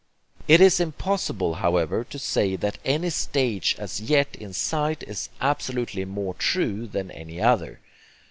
It is impossible, however, to say that any stage as yet in sight is absolutely more TRUE than any other.